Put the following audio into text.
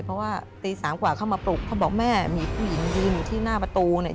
เพราะว่าตีสามกว่าเข้ามาปลุกเขาบอกแม่มีผู้หญิงยืนอยู่ที่หน้าประตูเนี่ย